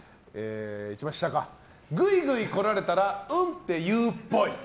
一番下、グイグイ来られたら「うん」って言うっぽい。